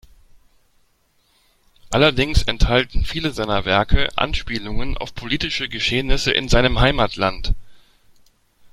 Allerdings enthalten viele seiner Werke Anspielungen auf politische Geschehnisse in seinem Heimatland.